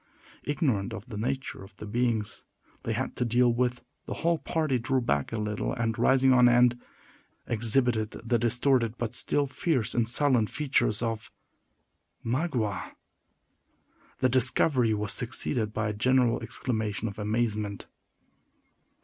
Ignorant of the nature of the beings they had to deal with, the whole party drew back a little, and, rising on end, exhibited the distorted but still fierce and sullen features of Magua. The discovery was succeeded by a general exclamation of amazement.